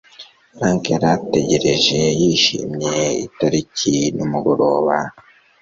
frank yari ategereje yishimiye itariki nimugoroba